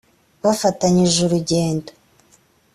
bafatanyije urugendo